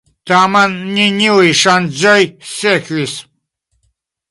Tamen neniuj ŝanĝoj sekvis.